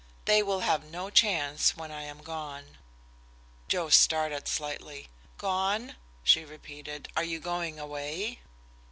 They will have no chance when I am gone." Joe started slightly. "Gone?" she repeated. "Are you going away?"